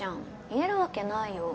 言えるわけないよ。